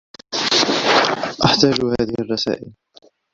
أحتاج هذه الرسائل.